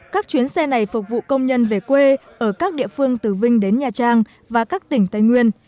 các chuyến xe này phục vụ công nhân về quê ở các địa phương từ vinh đến nha trang và các tỉnh tây nguyên